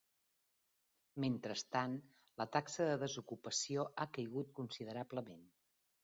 Mentrestant, la taxa de desocupació ha caigut considerablement.